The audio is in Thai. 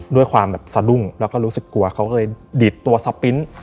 ด้วยความแบบสะดุ้งแล้วก็รู้สึกกลัวเขาก็เลยดีดตัวสปริ้นต์